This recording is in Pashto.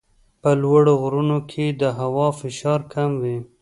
په لوړو غرونو کې د هوا فشار کم وي.